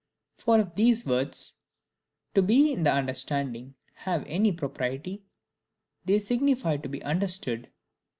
For if these words "to be in the understanding" have any propriety, they signify to be understood.